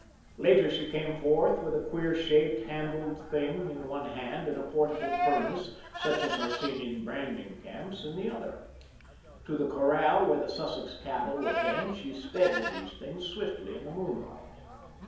Later she came forth with a queer shaped, handled thing in one hand, and a portable furnace, such as are seen in branding camps, in the other. To the corral where the Sussex cattle were penned she sped with these things swiftly in the moonlight.